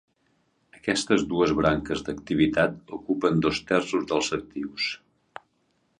Aquestes dues branques d'activitat ocupen dos terços dels actius.